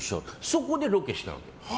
そこでロケしたわけです。